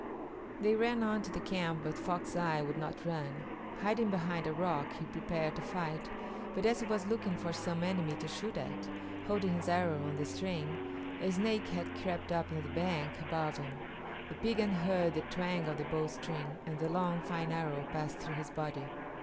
They ran on to the camp, but Fox Eye would not run. Hiding behind a rock he prepared to fight, but as he was looking for some enemy to shoot at, holding his arrow on the string, a Snake had crept up on the bank above him; the Piegan heard the twang of the bowstring, and the long, fine arrow passed through his body.